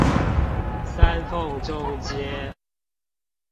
三鳳中街